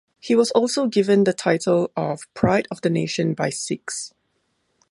He was also given the title of 'pride of the nation' by Sikhs.